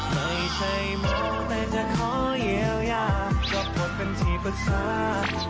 ไม่ใช่เมาท์แต่จะขอเยี่ยวยาก็ทบกันทีประชา